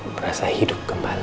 berasa hidup kembali